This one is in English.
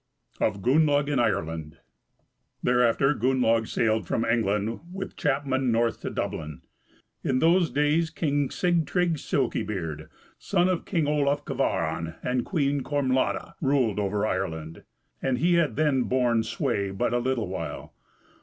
CHAPTER VIII. Of Gunnlaug in Ireland. Thereafter Gunnlaug sailed from England with chapmen north to Dublin. In those days King Sigtrygg Silky beard, son of King Olaf Kvaran and Queen Kormlada, ruled over Ireland; and he had then borne sway but a little while.